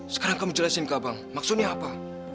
sekarang kamu jelasin ke abang maksudnya apa